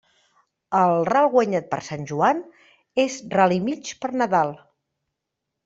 El ral guanyat per Sant Joan, és ral i mig per Nadal.